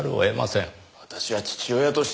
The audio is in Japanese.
私は父親として。